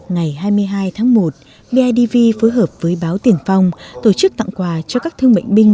ngày hai mươi hai tháng một bidv phối hợp với báo tiền phong tổ chức tặng quà cho các thương bệnh binh